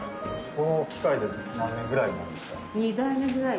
この機械で何年ぐらいなんですか？